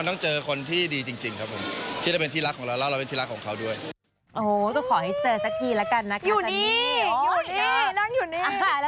อุ้ยแต่เราก็ไม่มีที่รักสถีนะครับพี่สาม